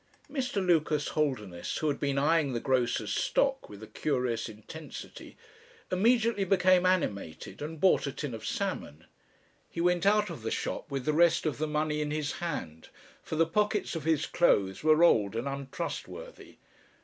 Mr. Lucas Holderness, who had been eyeing the grocer's stock with a curious intensity, immediately became animated and bought a tin of salmon. He went out of the shop with the rest of the money in his hand, for the pockets of his clothes were old and untrustworthy.